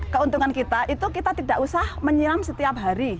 keuntungan kita itu kita tidak usah menyiram setiap hari